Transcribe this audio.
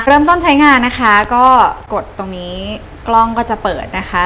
เริ่มต้นใช้งานนะคะก็กดตรงนี้กล้องก็จะเปิดนะคะ